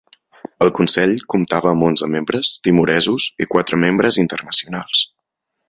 El Consell comptava amb onze membres timoresos i quatre membres internacionals.